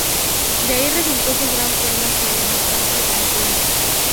De ahí resultó su gran poema que llamó "Canto al Bronce".